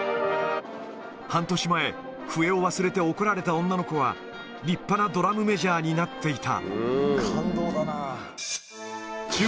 半年前、笛を忘れて怒られた女の子は、立派なドラムメジャーになっていた。